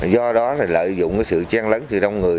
do đó lợi dụng sự chen lấn từ đông người